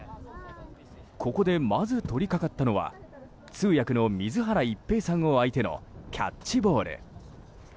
ここで、まず取り掛かったのは通訳の水原一平さんを相手のキャッチボール。